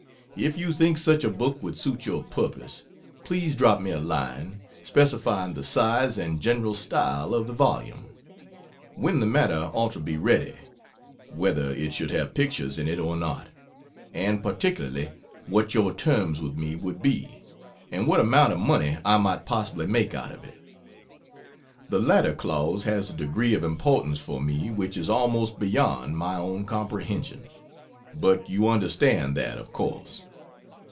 If you think such a book would suit your purpose, please drop me a line, specifying the size and general style of the volume; when the matter ought to be ready; whether it should have pictures in it or not; and particularly what your terms with me would be, and what amount of money I might possibly make out of it. The latter clause has a degree of importance for me which is almost beyond my own comprehension. But you understand that, of course.